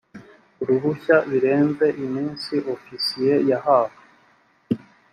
uruhushya birenze iminsi ofisiye yahawe